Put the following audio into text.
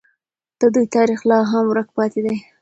د دوی تاریخ لا هم ورک پاتې دی.